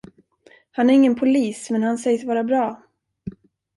Han är ingen polis, men han sägs vara bra.